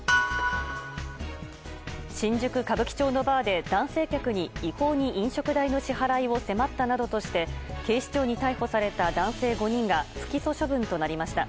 新宿・歌舞伎町のバーで男性客に違法に飲食代の支払いを迫ったなどとして警視庁に逮捕された男性５人が不起訴処分となりました。